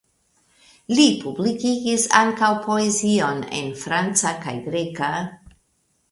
Li publikigis ankaŭ poezion en franca kaj greka.